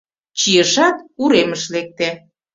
Чийышат, уремыш лекте.